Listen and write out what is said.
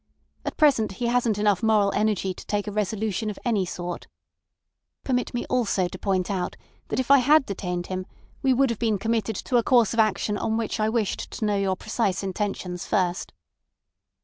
At present he hasn't enough moral energy to take a resolution of any sort. Permit me also to point out that if I had detained him we would have been committed to a course of action on which I wished to know your precise intentions first."